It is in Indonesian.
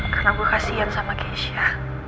karena gue kasihan sama keisha